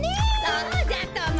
そうじゃとも。